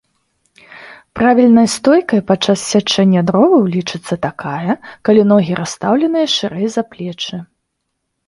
Правільнай стойкай падчас сячэння дроваў лічыцца такая, калі ногі расстаўленыя шырэй за плечы.